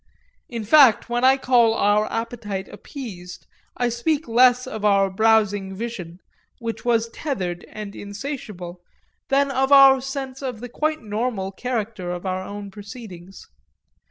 In fact when I call our appetite appeased I speak less of our browsing vision, which was tethered and insatiable, than of our sense of the quite normal character of our own proceedings.